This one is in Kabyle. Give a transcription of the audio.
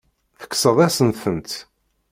Tekkseḍ-asen-tent.